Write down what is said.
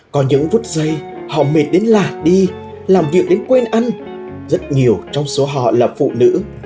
còn những vút giây họ mệt đến lả đi làm việc đến quên ăn rất nhiều trong số họ là phụ nữ